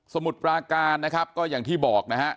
มุดปราการนะครับก็อย่างที่บอกนะฮะ